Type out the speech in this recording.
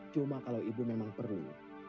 cuma kalau ibu memang perlu